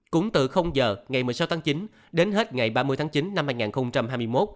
cũng từ giờ ngày một mươi sáu tháng chín đến hết ngày ba mươi tháng chín năm hai nghìn hai mươi một